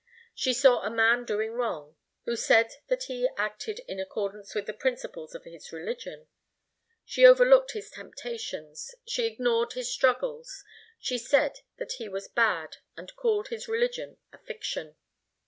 She saw a man doing wrong, who said that he acted in accordance with the principles of his religion. She overlooked his temptations, she ignored his struggles, she said that he was bad and called his religion a fiction.